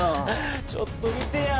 ちょっと見てや！